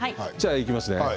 いきますね。